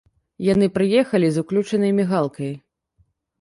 Яны прыехалі з уключанай мігалкай.